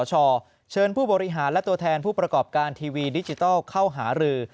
เชิญผู้บริหารและตัวแทนผู้ประกอบการทีวีดิจิทัลเข้าหารือ